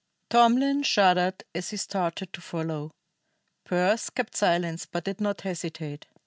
Tomlin shuddered as he started to follow. Pearse kept silence, but did not hesitate.